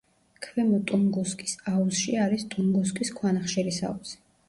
ქვემო ტუნგუსკის აუზში არის ტუნგუსკის ქვანახშირის აუზი.